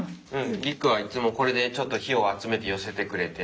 凌空はいつもこれでちょっと火を集めて寄せてくれて。